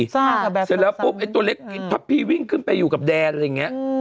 เสร็จแล้วปุ๊บไอ้ตัวเล็กถ้าพี่วิ่งขึ้นไปอยู่กับแดนอะไรอย่างนี้